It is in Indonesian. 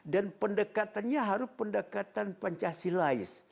dan pendekatannya harus pendekatan pancasilais